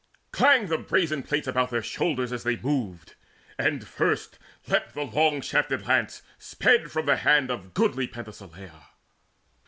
Clanged the brazen plates About their shoulders as they moved. And first Leapt the long shafted lance sped from the hand Of goodly Penthesileia.